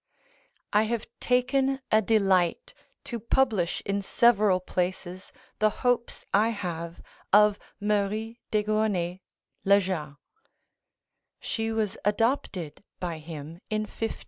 I have taken a delight to publish in several places the hopes I have of Marie de Gournay le Jars, [She was adopted by him in 1588.